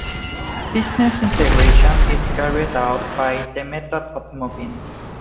Business integration is carried out by the method of moving.